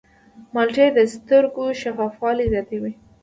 مالټې د سترګو شفافوالی زیاتوي.